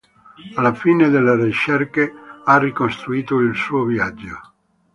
Alla fine delle ricerche ha ricostruito il suo viaggio.